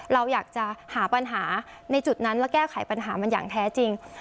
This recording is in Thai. เราอยากจะหาปัญหาในจุดนั้นและแก้ไขปัญหามันอย่างแท้จริง